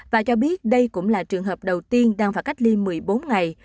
và cho biết đây cũng là trường hợp đầu tiên đang phải cách ly một mươi bốn ngày